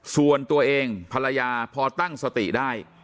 ส่วนตัวเองภรรยาพอตั้งสติได้